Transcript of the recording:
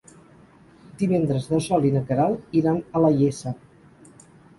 Divendres na Sol i na Queralt iran a la Iessa.